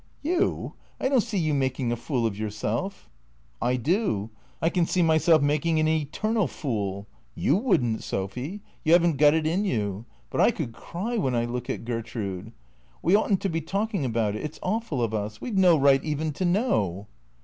" You ? I don't see you making a fool of yourself." " I do. I can see myself making an eternal fool. You would n't, Sophy, you have n't got it in you. But I could cry when I look at Gertrude. We oughtn't to be talking about it. It 's awful of us. We 've no right even to know."